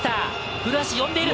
古橋呼んでいる。